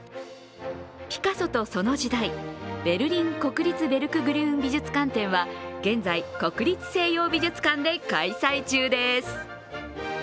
「ピカソとその時代ベルリン国立ベルクグリューン美術館展」は現在、国立西洋美術館で開催中です